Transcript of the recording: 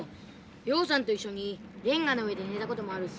陽さんと一緒にレンガの上で寝たこともあるし。